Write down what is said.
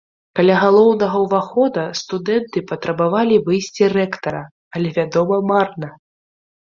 Каля галоўнага ўвахода студэнты патрабавалі выйсці рэктара, але, вядома, марна.